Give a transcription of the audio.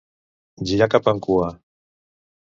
Girar cap en cua.